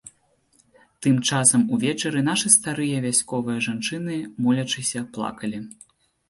Тым часам увечары нашы старыя вясковыя жанчыны, молячыся, плакалі.